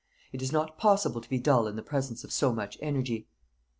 It is not possible to be dull in the presence of so much energy."